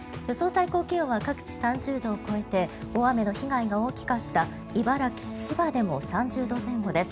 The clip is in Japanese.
最高気温は各地、３０度を超えて大雨の被害が大きかった茨城、千葉でも３０度前後です。